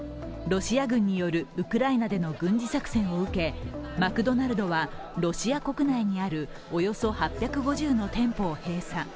ロシア軍によるウクライナでの軍事作戦を受け、マクドナルドは、ロシア国内にあるおよそ８５０の店舗を閉鎖。